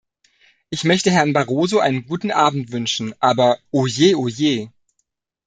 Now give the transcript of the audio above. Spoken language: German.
Ich möchte Herrn Barroso einen guten Abend wünschen, aber oh je, oh je!